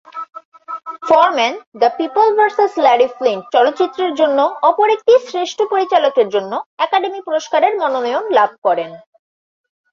ফরমান "the People versus Larry Flynt" চলচ্চিত্রের জন্য অপর একটি শ্রেষ্ঠ পরিচালকের জন্য একাডেমি পুরস্কারের মনোনয়ন লাভ করেন।